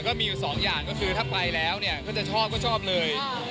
ก็มีอยู่สองอย่างก็คือถ้าไปแล้วเนี่ยก็จะชอบก็ชอบเลย